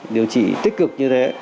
điều trị tích cực như thế